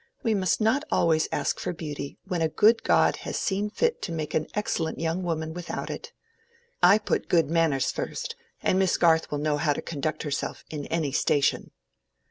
We must not always ask for beauty, when a good God has seen fit to make an excellent young woman without it. I put good manners first, and Miss Garth will know how to conduct herself in any station."